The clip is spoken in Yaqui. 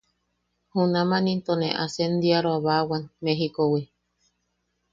Junaman into ne asendiaroabawan, Mejikowi.